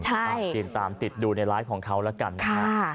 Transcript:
ใช่ค่ะติดตามติดดูในไลฟ์ของเขาแล้วกันนะคะค่ะ